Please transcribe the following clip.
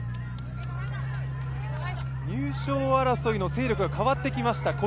入賞争いの勢力が変わってきました。